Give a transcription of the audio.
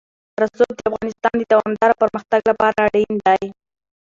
رسوب د افغانستان د دوامداره پرمختګ لپاره اړین دي.